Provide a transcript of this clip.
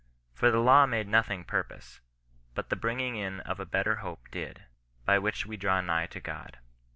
For the law made nothing perfect, lm( the bringing in of a better hope did; by the which we draw nigh to God."